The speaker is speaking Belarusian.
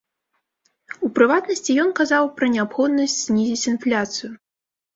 У прыватнасці, ён казаў пра неабходнасць знізіць інфляцыю.